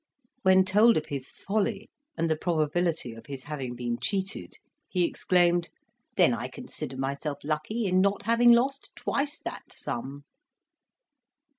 When told of his folly and the probability of his having been cheated, he exclaimed, "Then I consider myself lucky in not having lost twice that sum!"